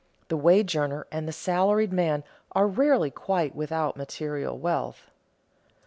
The wage earner and the salaried man are rarely quite without material wealth.